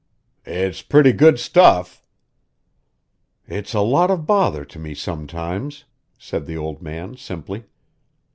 "It's pretty good stuff." "It's a lot of bother to me sometimes," said the old man simply.